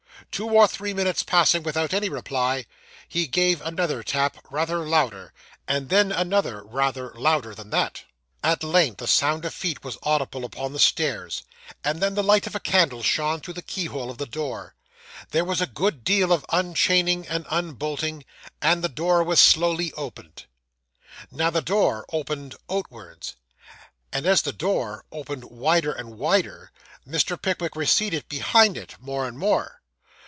Two or three minutes passing without any reply, he gave another tap rather louder, and then another rather louder than that. At length the sound of feet was audible upon the stairs, and then the light of a candle shone through the keyhole of the door. There was a good deal of unchaining and unbolting, and the door was slowly opened. Now the door opened outwards; and as the door opened wider and wider, Mr. Pickwick receded behind it, more and more.